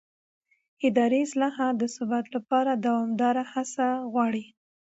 اداري اصلاحات د ثبات لپاره دوامداره هڅه غواړي